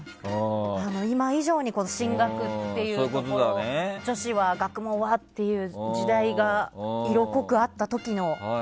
今以上に進学ということが女子は学問はという時代が色濃くあった時の。